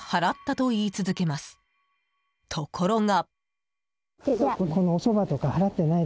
ところが。